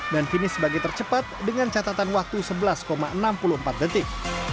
dan finis sebagai tercepat dengan catatan waktu sebelas enam puluh empat detik